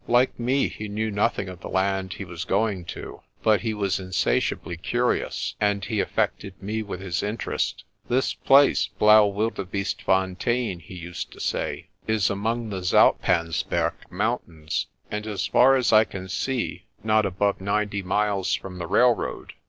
Like me, he knew nothing of the land he was going to, but he was insatiably curious, and he affected me with his interest. "This place, Bkauwildebee stefontein," he used to say, "is among the Zoutpansberg mountains, and as far as I can see, not above ninety miles from the railroad.